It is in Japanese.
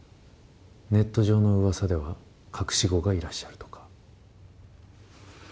ネット上のうわさでは隠し子がいらっしゃるとか。